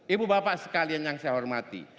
ibu bapak sekalian yang saya hormati